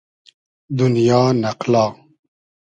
دونیا ، نئقلا